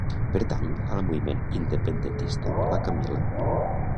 Pertany al moviment independentista la Camila?